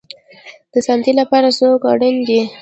د ساتنې لپاره څوک اړین دی؟